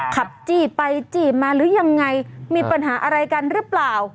ขับจี้ไปจี้มาหรือยังไงมีปัญหาอะไรกันหรือเปล่า